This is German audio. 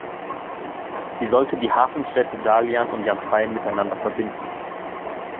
Sie sollte die Hafenstädte Dalian und Yantai miteinander verbinden.